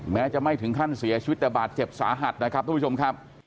แม้จะไม่ถึงขั้นเสียชีวิตแต่บาดเจ็บสาหัสนะครับทุกผู้ชมครับ